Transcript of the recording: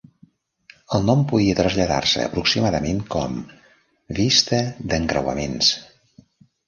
El nom podia traslladar-se aproximadament com "vista d'encreuaments".